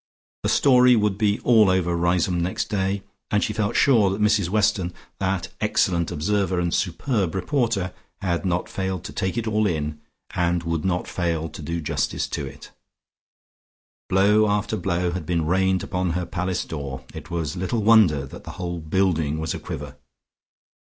The story would be all over Riseholme next day, and she felt sure that Mrs Weston, that excellent observer and superb reporter, had not failed to take it all in, and would not fail to do justice to it. Blow after blow had been rained upon her palace door, it was little wonder that the whole building was a quiver.